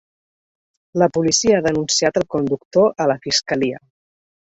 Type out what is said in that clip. La policia ha denunciat el conductor a la fiscalia.